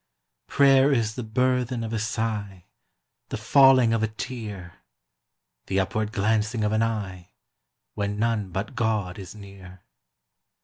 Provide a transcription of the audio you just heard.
Prayer is the burthen of a sigh, The falling of a tear The upward glancing of an eye, When none but God is near.